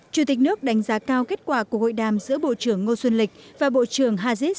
chủ tịch nước đánh giá cao kết quả của hội đàm giữa bộ trưởng ngô xuân lịch và bộ trưởng hajiz